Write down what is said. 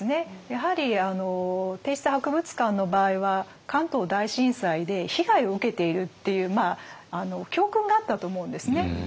やはり帝室博物館の場合は関東大震災で被害を受けているっていう教訓があったと思うんですね。